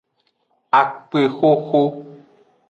Akpexoxo.